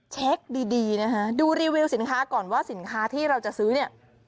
เช็คดีนะคะดูรีวิวสินค้าก่อนว่าสินค้าที่เราจะซื้อเนี่ย